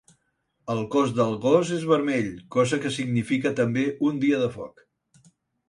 El cos del gos és vermell, cosa que significa també un dia de foc.